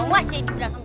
awas ya ini berangkat